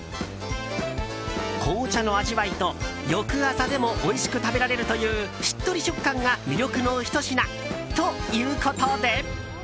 紅茶の味わいと、翌朝でもおいしく食べられるというしっとり食感が魅力のひと品ということで。